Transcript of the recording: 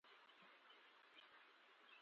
اسلام پر عدالت ټینګار کوي.